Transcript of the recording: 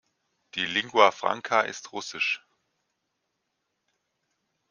Die lingua franca ist Russisch.